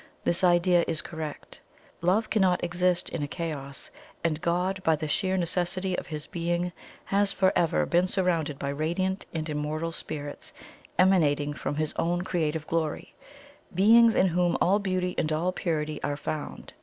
This idea is correct. Love cannot exist in a chaos; and God by the sheer necessity of His Being has for ever been surrounded by radiant and immortal Spirits emanating from His own creative glory beings in whom all beauty and all purity are found.